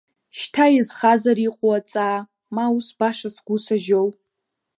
Шьҭа иазхазар иҟоу аҵаа, ма ус баша сгәы сажьоу?!